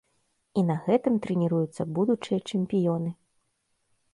І на гэтым трэніруюцца будучыя чэмпіёны!